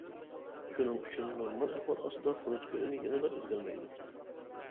شۇنىڭ ئۈچۈن نورمال ئەھۋال ئاستىدا، فوند كۆلىمى يەنىلا ئۆزگەرمەيدۇ.